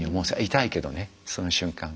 痛いけどねその瞬間。